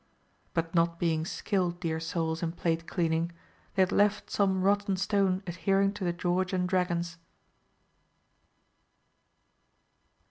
But not being skilled, dear souls, in plate cleaning, they had left some rotten stone adhering to the George and Dragons.